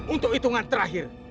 untuk hitungan terakhir